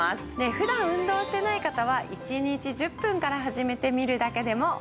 普段運動してない方は１日１０分から始めてみるだけでもオッケーです。